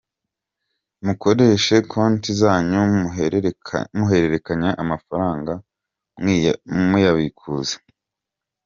Mukoreshe konti zanyu muhererekanya amafaranga, mwiyabikuza.